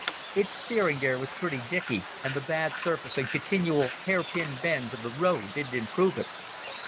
Its steering gear was pretty dicky, and the bad surface and continual hairpin bends of the road didn't improve it.